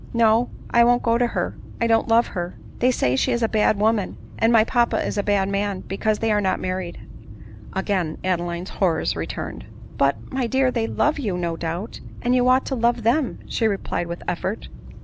No, I won't go to her ; I don't love her ; they say she is a bad woman, and my papa a bad man, because they are not married." Again Adeline's horrors returned. " But, my dear, they love you no doubt ; and you ought to love them," she replied with effort.